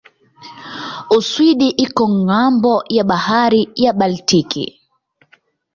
Uswidi iko ng'ambo ya bahari ya Baltiki.